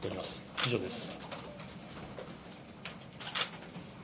以上です。